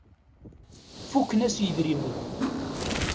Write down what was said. Fuken-as yidrimen.